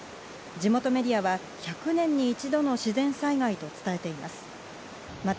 地元メディアは１００年に一度の自然災害と伝えています。